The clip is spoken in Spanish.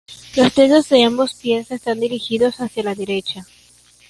Los dedos de ambos pies están dirigidos hacia la derecha.